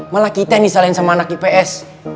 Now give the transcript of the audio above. malah kita yang disalahin sama anak ips